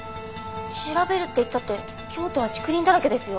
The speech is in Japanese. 調べるって言ったって京都は竹林だらけですよ。